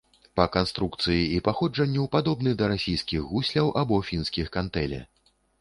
Па канструкцыі і паходжанню падобны да расійскіх гусляў, або фінскіх кантэле.